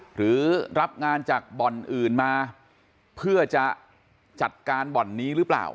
หรือรับงานจากบ่อนอื่นมาเพื่อจะจัดการบ่อนนี้หรือเปล่า